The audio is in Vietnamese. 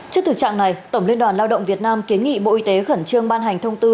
trước thực trạng này tổng liên đoàn lao động việt nam kiến nghị bộ y tế khẩn trương ban hành thông tư